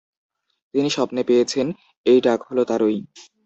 তিনি স্বপ্নে পেয়েছেন, এই ডাক হল তারই।